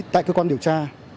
tại cơ quan điều tra